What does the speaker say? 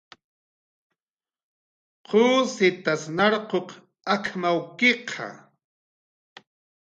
"¿Qusitas narquq ak""mawkiqa?"